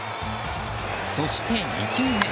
そして２球目。